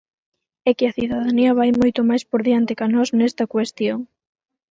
É que a cidadanía vai moito máis por diante ca nós nesta cuestión.